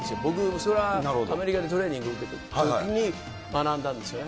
それはアメリカでトレーニング受けているときに学んだんですよね。